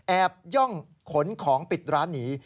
ย่องขนของปิดร้านหนี